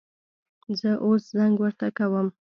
زه اوس زنګ ورته کوم